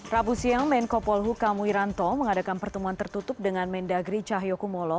rabu siang menko polhukam wiranto mengadakan pertemuan tertutup dengan mendagri cahyokumolo